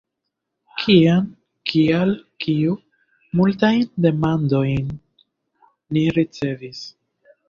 “Kiam?” “Kial?” “Kiu?” Multajn demandojn ni ricevis.